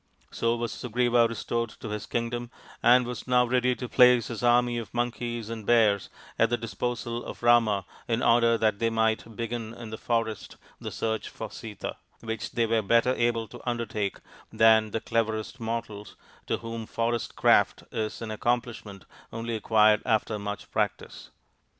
So was Sugriva restored to his kingdom and was now ready to place his army of Monkeys and Bears at the disposal of Rama in order that they might begin in the forest the search for Sita, which they were better able to undertake than the cleverest mortals, to whom forest craft is an ac complishment only acquired after much practice.